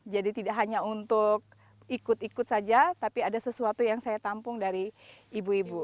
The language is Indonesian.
jadi tidak hanya untuk ikut ikut saja tapi ada sesuatu yang saya tampung dari ibu ibu